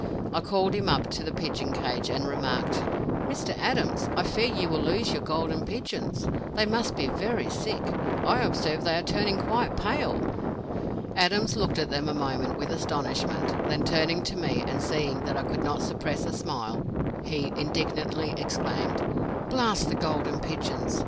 I called him up to the pigeon cage, and remarked: "Mr. Adams, I fear you will lose your Golden Pigeons; they must be very sick; I observe they are turning quite pale!" Adams looked at them a moment with astonishment; then turning to me, and seeing that I could not suppress a smile, he indignantly exclaimed: "Blast the Golden Pigeons!